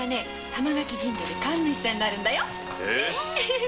玉垣神社の神主になるんだよ。